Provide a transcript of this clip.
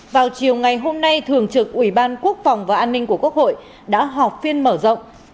vào chiều ngày hôm nay thường trực ủy ban quốc phòng và an ninh của quốc hội đã họp phiên mở rộng